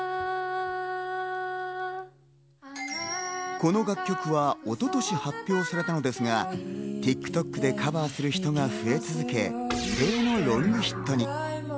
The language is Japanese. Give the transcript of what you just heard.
この楽曲は一昨年、発表されたのですが、ＴｉｋＴｏｋでカバーする人が増え続け、異例のロングヒットに。